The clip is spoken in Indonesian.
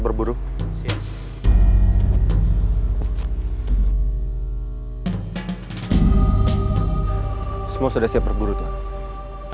semua sudah siap berburu tuh